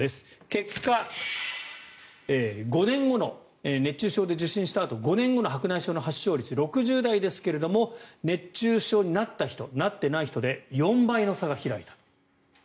結果、熱中症で受診したあと５年後の白内障の発症率６０代ですが熱中症になった人なっていない人で４倍の差が開いたと。